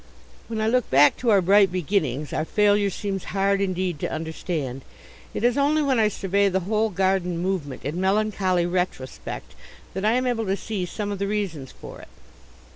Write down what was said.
When I look back to our bright beginnings our failure seems hard indeed to understand. It is only when I survey the whole garden movement in melancholy retrospect that I am able to see some of the reasons for it.